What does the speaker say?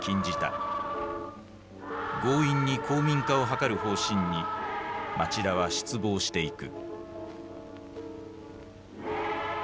強引に皇民化を図る方針に町田は失望していく。